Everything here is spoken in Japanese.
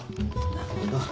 なるほど。